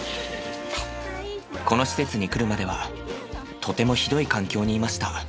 この施設に来るまではとてもひどい環境にいました。